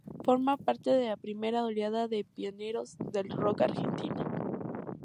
Forma parte de la primera oleada de pioneros del rock argentino.